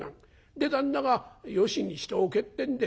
で旦那がよしにしておけってんで